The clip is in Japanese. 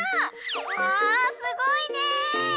わあすごいねえ！